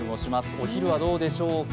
お昼はどうでしょうか。